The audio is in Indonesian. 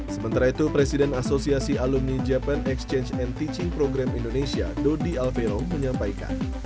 sementara itu presiden asosiasi alumni japan exchange and teaching program indonesia dodi alvero menyampaikan